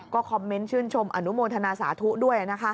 คอมเมนต์ชื่นชมอนุโมทนาสาธุด้วย